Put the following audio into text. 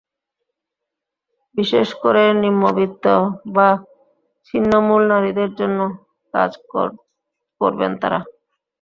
বিশেষ করে নিম্নবিত্ত বা ছিন্নমূল নারীদের জন্য কাজ করবেন তাঁরা।